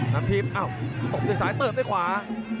นัทธิบอ้าวตกด้วยสายเติบด้วยขวา